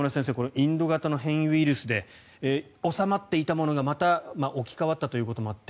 インド型の変異ウイルスで収まっていたものがまた置き換わったということもあって